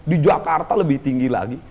di jakarta lebih tinggi lagi